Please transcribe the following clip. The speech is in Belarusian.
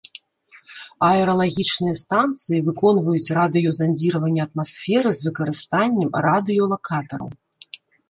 Аэралагічныя станцыі выконваюць радыёзандзіраванне атмасферы з выкарыстаннем радыёлакатараў.